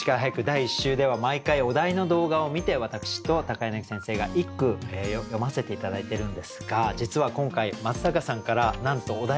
第１週では毎回お題の動画を見て私と柳先生が一句詠ませて頂いてるんですが実は今回松坂さんからなんとお題動画を頂きました。